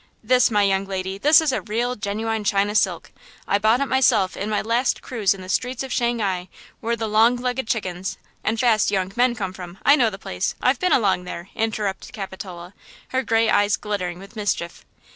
"This, my young lady, this is a real, genuine China silk. I bought it myself in my last cruise in the streets of Shanghai where the long legged chickens–" "And fast young men come from! I know the place! I've been along there!" interrupted Capitola, her gray eyes glittering with mischief.